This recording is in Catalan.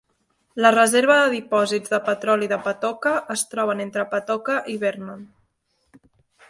La reserva de dipòsits de petroli de Patoka es troba entre Patoka i Vernon.